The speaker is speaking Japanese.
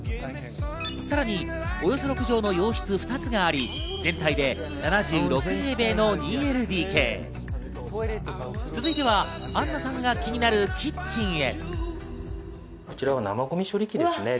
さらにおよそ６畳の洋室２つがあり、全体で７６平米の２ＬＤＫ。続いてはアンナさんが気になるキッチンへ。